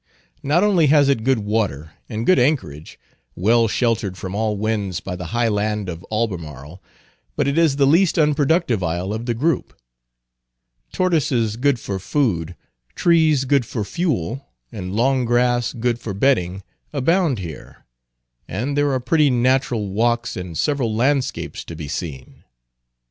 Not only has it good water, and good anchorage, well sheltered from all winds by the high land of Albemarle, but it is the least unproductive isle of the group. Tortoises good for food, trees good for fuel, and long grass good for bedding, abound here, and there are pretty natural walks, and several landscapes to be seen.